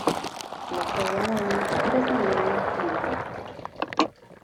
Las "Pseudomonas" crecen en medios simples.